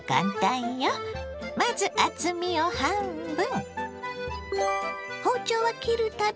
まず厚みを半分。